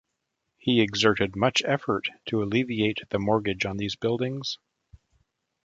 He exerted much effort to alleviate the mortgage on these buildings.